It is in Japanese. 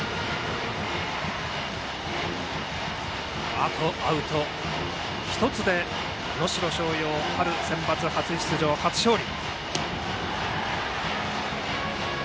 あとアウト１つで能代松陽が春センバツ初出場初勝利。